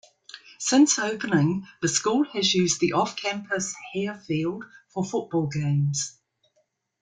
Since opening, the school has used the off-campus Hare Field for football games.